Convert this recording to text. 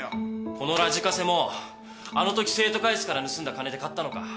このラジカセもあのとき生徒会室から盗んだ金で買ったのか？